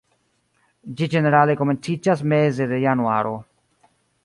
Ĝi ĝenerale komenciĝas meze de januaro.